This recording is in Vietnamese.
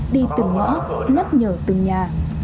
đi từng ngõ nhắc nhở từng nhà